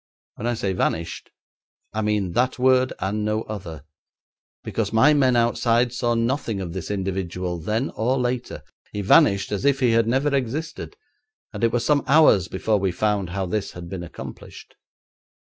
When I say vanished, I mean that word and no other, because my men outside saw nothing of this individual then or later. He vanished as if he had never existed, and it was some hours before we found how this had been accomplished.